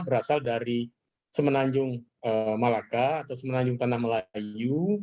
berasal dari semenanjung malaka atau semenanjung tanah melayu